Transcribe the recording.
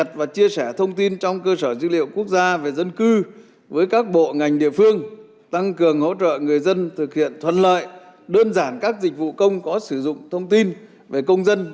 tăng cường hỗ trợ người dân thực hiện thuận lợi đơn giản các dịch vụ công có sử dụng thông tin về công dân